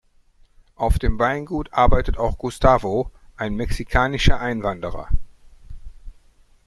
Auf dem Weingut arbeitet auch Gustavo, ein mexikanischer Einwanderer.